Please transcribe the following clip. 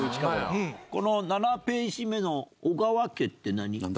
７ページ目の「小川家」って何？